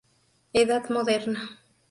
Edad moderna.